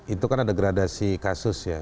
itu kan ada gradasi kasus ya